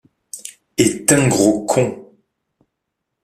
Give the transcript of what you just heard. es un gros con.